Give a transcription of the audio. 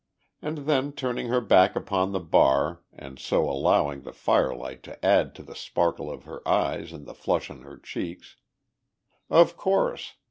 And then, turning her back upon the bar and so allowing the firelight to add to the sparkle of her eyes and the flush on her cheeks, "Of course.